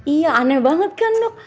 iya aneh banget kan dok